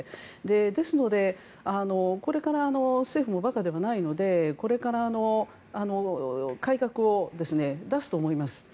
ですので、これから政府も馬鹿ではないのでこれから改革を出すと思います。